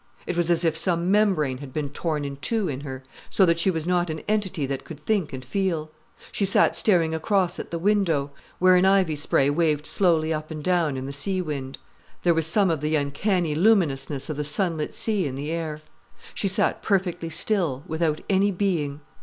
It was as if some membrane had been torn in two in her, so that she was not an entity that could think and feel. She sat staring across at the window, where an ivy spray waved slowly up and down in the sea wind. There was some of the uncanny luminousness of the sunlit sea in the air. She sat perfectly still, without any being.